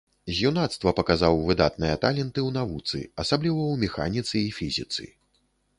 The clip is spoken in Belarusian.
З юнацтва паказаў выдатныя таленты ў навуцы, асабліва ў механіцы і фізіцы.